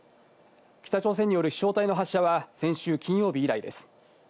北朝鮮による飛翔体の発射は先週金曜日以来です。